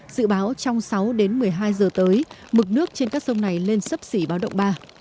dự báo trong sáu đến một mươi hai giờ tới mực nước trên các sông này lên sấp xỉ báo động ba